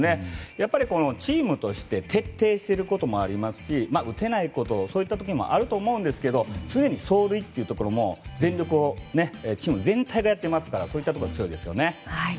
やっぱりチームとして徹底していることもありますし打てないことそういった時もあると思うんですけど常に走塁というところもチーム全体がやってますからそういったところが強いですよね。